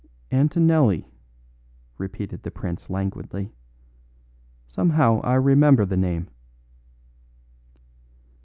"Antonelli," repeated the prince languidly. "Somehow I remember the name."